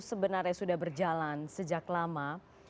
sebenarnya sudah berjalan sejak lama